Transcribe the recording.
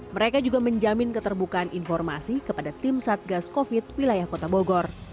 mereka juga menjamin keterbukaan informasi kepada tim satgas covid wilayah kota bogor